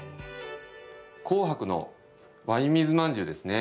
紅白のワイン水まんじゅうですね。